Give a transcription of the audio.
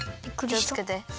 きをつけて。